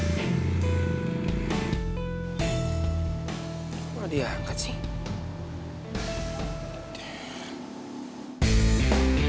gimana dia angkat sih